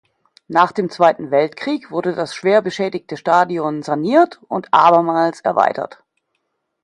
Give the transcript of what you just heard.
Nach dem Zweiten Weltkrieg wurde das schwer beschädigte Stadion saniert und abermals erweitert.